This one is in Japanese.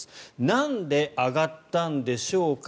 なんで上がったんでしょうか。